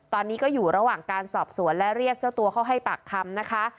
ตอนนี้ก็อยู่ระหว่างการสอบสวนและเรียกเจ้าตัวเข้าให้ปากคำนะคะ